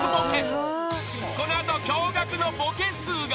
［この後驚愕のボケ数が。